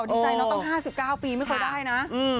ดีใจนะต้อง๕๙ปีไม่ค่อยได้นะ